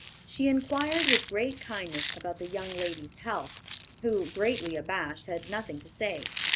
She inquired with great kindness about the young lady's health, who, greatly abashed, had nothing to say.